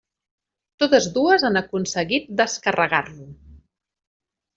Totes dues han aconseguit descarregar-lo.